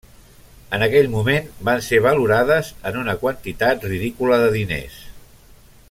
En aquell moment van ser valorades en una quantitat ridícula de diners.